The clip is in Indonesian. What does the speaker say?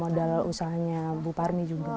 modal modal usahanya ibu parmi juga